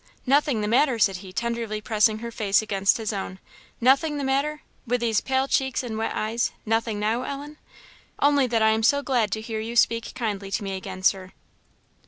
"Nothing the matter!" said he, tenderly pressing her face against his own, "nothing the matter! with these pale cheeks and wet eyes! nothing now, Ellen?" "Only that I am so glad to hear you speak kindly to me again, Sir."